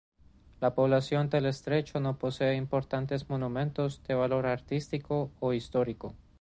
La población del estrecho no posee importantes monumentos de valor artístico o histórico.